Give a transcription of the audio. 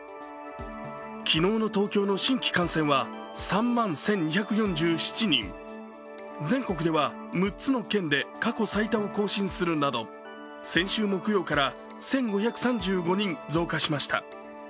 昨日の東京の新規感染は３万１２４７人全国では６つの県で過去最多を更新するなど先週木曜から１５３５人増加しました。